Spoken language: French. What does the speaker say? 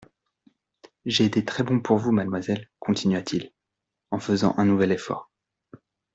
J'ai été très bon pour vous, mademoiselle, continua-t-il, en faisant un nouvel effort.